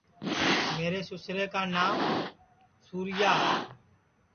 میرے سُسرے کانانٚو سُورِیا ہے